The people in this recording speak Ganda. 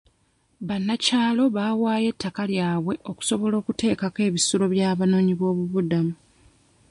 Bannakyalo baawaayo ettaka lyabwe okusobola okuteekako ebisulo by'abanoonyiboobubudamu.